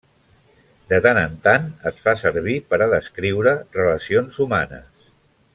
De tant en tant es fa servir per a descriure relacions humanes.